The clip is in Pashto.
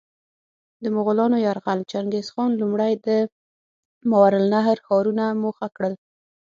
د مغولانو یرغل: چنګیزخان لومړی د ماورالنهر ښارونه موخه کړل.